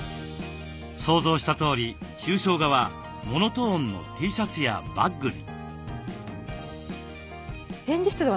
想像したとおり抽象画はモノトーンのＴシャツやバッグに。